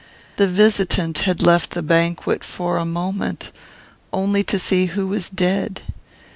"The visitant had left the banquet for a moment, only to see who was dead.